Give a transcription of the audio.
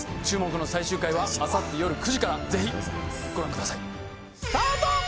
注目の最終回はあさって夜９時からぜひご覧くださいスタート！